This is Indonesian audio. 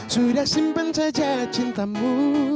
sudah simpan saja cintamu